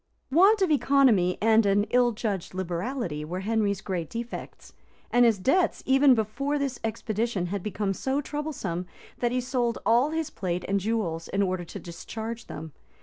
Want of economy and an ill judged liberality were Henry's great defects; and his debts, even before this expedition, had become so troublesome, that he sold all his plate and jewels, in order to discharge them.